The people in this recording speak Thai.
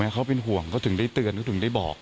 เขาเป็นห่วงเขาถึงได้เตือนเขาถึงได้บอก